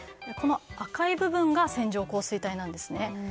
赤い部分が線状降水帯なんですね。